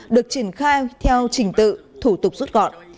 được triển khai theo trình tự thủ tục rút gọn